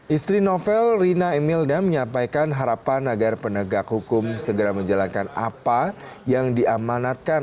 istri novel rina emilda menyampaikan harapan agar penegak hukum segera menjalankan apa yang diamanatkan